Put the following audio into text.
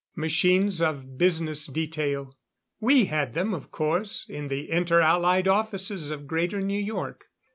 Machines of business detail. We had them, of course, in the Inter Allied offices of Greater New York.